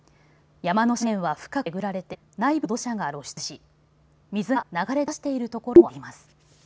山の斜面は深くえぐられて内部の土砂が露出し、水が流れ出しているところもあります。